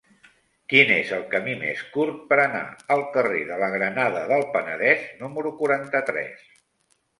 Quin és el camí més curt per anar al carrer de la Granada del Penedès número quaranta-tres?